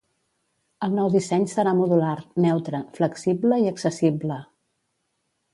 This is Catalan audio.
El nou disseny serà modular, neutre, flexible i accessible.